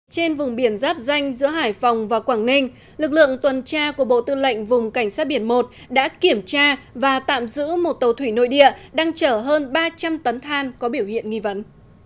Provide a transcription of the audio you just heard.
trên vùng biển giáp danh giữa hải phòng và quảng ninh lực lượng tuần tra của bộ tư lệnh vùng cảnh sát biển một đã kiểm tra và tạm giữ một tàu thủy nội địa đang chở hơn ba trăm linh tấn than có biểu hiện nghi vấn